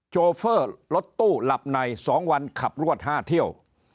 โจเฟอร์รถตู้ลับใน๒วันขับลวด๕เที่ยว